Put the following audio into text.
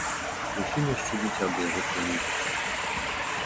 Зусім яшчэ дзіця была гэтая нябожчыца.